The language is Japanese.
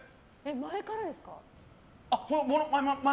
前からです。